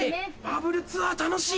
バブルツアー楽しい！